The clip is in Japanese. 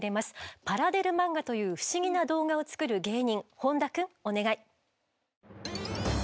パラデル漫画という不思議な動画を作る芸人本多くんお願い。